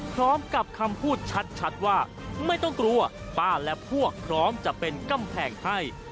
พร้อมกับคำพูดชัดว่าไม่ต้องกลัวป้าและพวกพร้อมจะเป็นกำแพงให้